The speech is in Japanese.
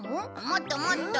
もっともっと。